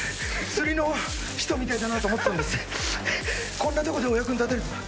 こんなとこでお役に立てるとは。